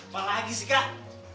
malah lagi sih kak